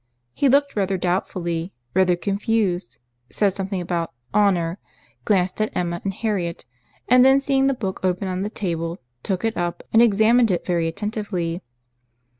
He looked rather doubtingly—rather confused; said something about "honour,"—glanced at Emma and at Harriet, and then seeing the book open on the table, took it up, and examined it very attentively.